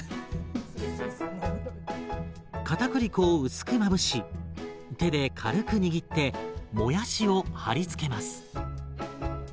かたくり粉を薄くまぶし手で軽く握ってもやしを貼り付けます。